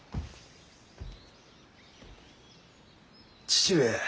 父上。